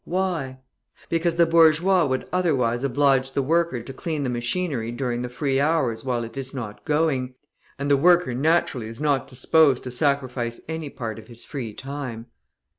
Why? Because the bourgeois would otherwise oblige the worker to clean the machinery during the free hours while it is not going, and the worker naturally is not disposed to sacrifice any part of his free time.